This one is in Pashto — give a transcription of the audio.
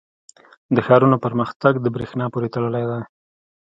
• د ښارونو پرمختګ د برېښنا پورې تړلی دی.